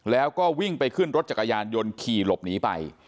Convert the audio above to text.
แล้วก็วิ่งไปขึ้นรถจักรยานยนต์ขี่หลบหนีไป